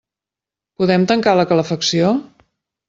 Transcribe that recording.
Podem tancar la calefacció?